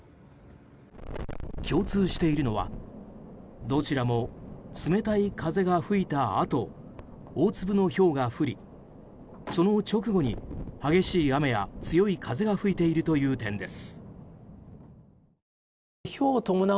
共通しているのはどちらも冷たい風が吹いたあと大粒のひょうが降り、その直後に激しい雨や強い風が吹いているという点です。